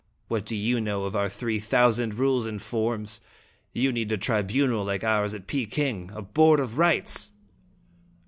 What do you know of our three thousand rules and forms? You need a tri bunal like ours at Peking, a Board of Rites!